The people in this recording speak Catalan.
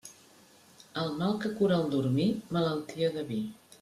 El mal que cura el dormir, malaltia de vi.